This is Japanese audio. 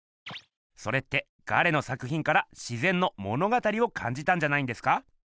それってガレの作ひんから「自ぜんの物語」をかんじたんじゃないんですか？